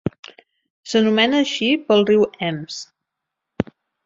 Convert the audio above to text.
S'anomena així pel riu Ems.